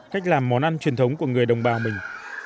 cách làm món ăn truyền thống của người đồng bào mình